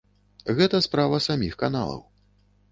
Гэта справа саміх каналаў.